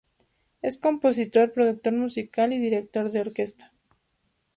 Es compositor, productor musical y director de orquesta.